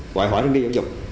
quả hỏi răng đê giáo dục